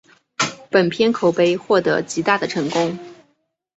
本片口碑获得极大的成功。